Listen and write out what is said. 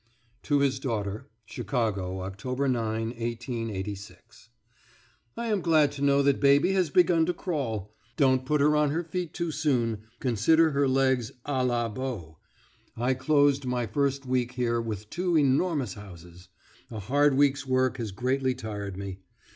TO HIS DAUGHTER CHICAGO, October 9, 1886 ... I am glad to know that baby has begun to crawl; don't put her on her feet too soon; consider her legs a la bow.... I closed my first week here with two enormous houses. A hard week's work has greatly tired me....